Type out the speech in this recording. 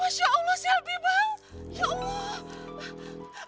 masya allah selfie bang ya allah